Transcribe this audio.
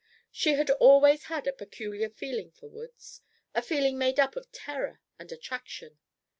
She had always had a peculiar feeling for woods, a feeling made up of terror and attraction.